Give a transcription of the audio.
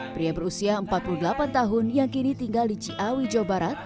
pria berusia empat puluh delapan tahun yang kini tinggal di ciawi jawa barat